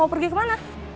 mau pergi kemana